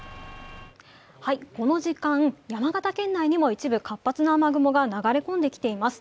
この時間、山形県内にも一部活発な雨雲が流れ込んできています。